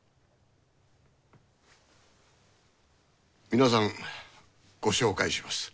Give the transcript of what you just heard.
皆さんご紹介します。